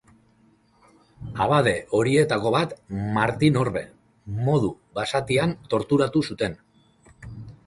Abade horietako bat, Martin Orbe, modu basatian torturatu zuten.